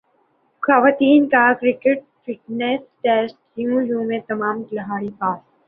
خواتین کرکٹرز کا fitness test yo yo میں تمام کھلاڑی پاس